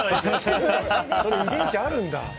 遺伝子あるんだ。